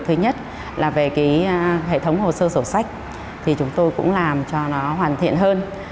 thứ nhất là về cái hệ thống hồ sơ sổ sách thì chúng tôi cũng làm cho nó hoàn thiện hơn